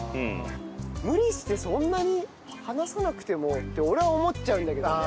無理してそんなに話さなくてもって俺は思っちゃうんだけどね。